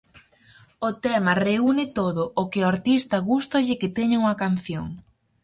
O tema reúne todo o que ao artista gústalle que teña unha canción.